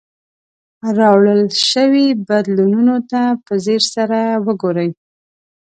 راوړل شوي بدلونونو ته په ځیر سره وګورئ.